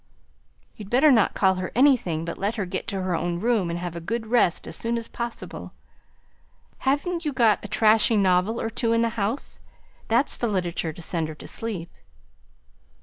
"You'd better not call her anything, but let her get to her own room and have a good rest as soon as possible. Haven't you got a trashy novel or two in the house? That's the literature to send her to sleep."